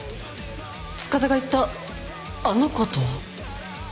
塚田が言った「あの子」とは？